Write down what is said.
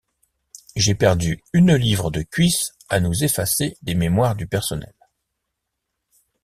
J'ai perdu une livre de cuisses à nous effacer des mémoires du personnel.